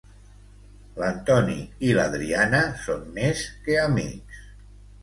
L'Antoni i l'Adriana són més que amics.